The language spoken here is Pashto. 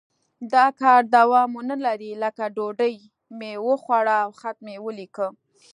د کار دوام ونه لري لکه ډوډۍ مې وخوړه او خط مې ولیکه.